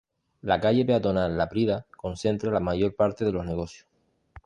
La calle peatonal Laprida concentra la mayor parte de los negocios.